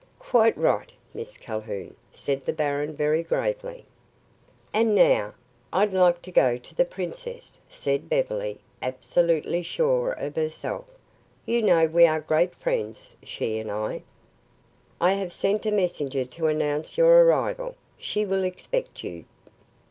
"Quite right, Miss Calhoun," said the baron very gravely. "And now, I'd like to go to the princess," said Beverly, absolutely sure of herself. "You know we are great friends, she and I." "I have sent a messenger to announce your arrival. She will expect you."